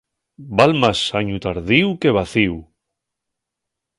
Val más añu tardíu que vacíu.